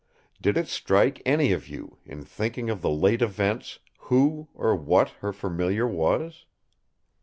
Did it strike any of you, in thinking of the late events, who or what her Familiar was?"